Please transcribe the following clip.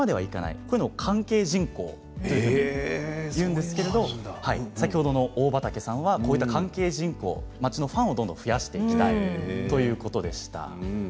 そういうのを関係人口と言うんですけど先ほどの大畠さんは、こういう関係人口を町のファンをどんどん増やしていきたいということでした。